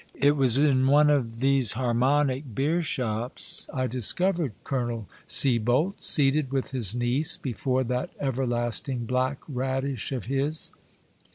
It was in one of these harmonic beer shops I discovered Colonel Sieboldt, seated with his niece, before that everlasting black radish of his.